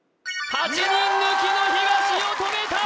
８人抜きの東を止めた！